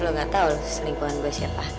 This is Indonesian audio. lo gak tau selingkuhan gue siapa